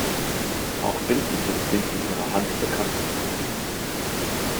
Auch Bildnisse sind von Ihrer Hand bekannt.